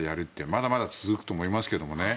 まだまだ続くと思いますけどね。